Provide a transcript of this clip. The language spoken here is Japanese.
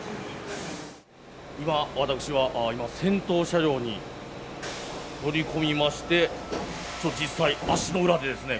今私は今先頭車両に乗り込みまして実際足の裏でですね